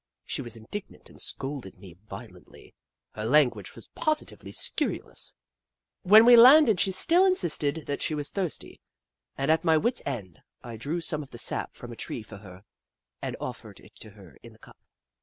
She was indignant and scolded me violently — her language was positively scurrilous. When we landed she still insisted that she was thirsty, and, at my wits' end, I drew some of the sap from a tree for her and offered it to her in the cup.